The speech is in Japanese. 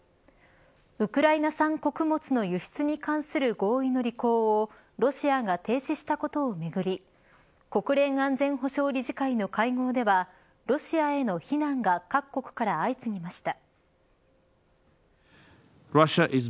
ウクライナ産穀物の輸出に関する合意の履行をロシアが提出したことをめぐり国連安全保障理事会の会合ではロシアへの非難が各国から相次ぎました。